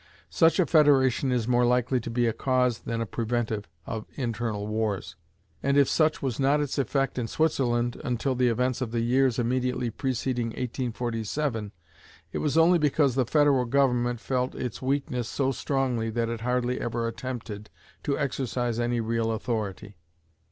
Such a federation is more likely to be a cause than a preventive of internal wars; and if such was not its effect in Switzerland until the events of the years immediately preceding 1847, it was only because the federal government felt its weakness so strongly that it hardly ever attempted to exercise any real authority.